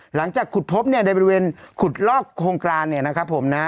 หลังจากขุดพบเนี่ยในบริเวณขุดลอกโครงการเนี่ยนะครับผมนะ